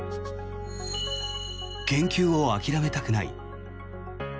研究を諦めたくない。